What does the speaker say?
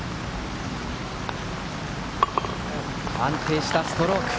安定したストローク。